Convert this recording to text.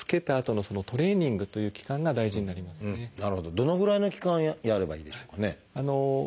どのぐらいの期間やればいいんでしょうかね？